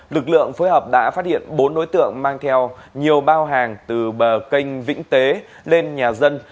lực lượng phối hợp đã phát hiện bốn đối tượng mang theo nhiều bao hàng từ bờ kênh vĩnh tế lên nhà dân